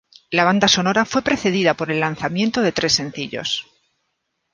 La banda sonora fue precedida por el lanzamiento de tres sencillos.